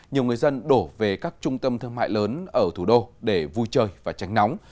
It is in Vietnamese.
nhiều người dân đổ về các trung tâm thương mại lớn ở thủ đô để vui chơi và tránh nóng